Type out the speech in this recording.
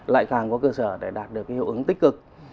lại càng có cơ sở để đạt được cái hiệu ứng tích cực